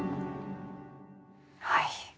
はい。